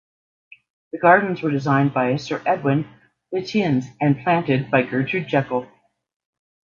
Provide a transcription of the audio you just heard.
The gardens were designed by Sir Edwin Lutyens and planted by Gertrude Jekyll.